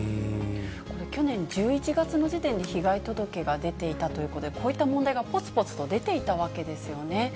これ、去年１１月の時点で被害届が出ていたということで、こういった問題がぽつぽつと出ていたわけですよね。